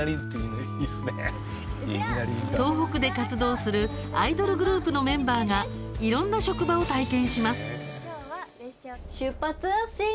東北で活動するアイドルグループのメンバーがいろんな職場を体験します。